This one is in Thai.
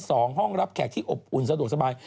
ห้องรับแขกที่อบอุ่นสะดวกสบาย